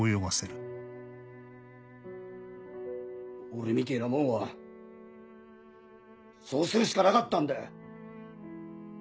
俺みてぇなもんはそうするしかなかったんだよ。